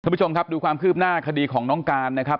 ผู้ชมครับดูความคืบหน้าคดีของน้องการนะครับ